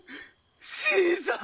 新さん！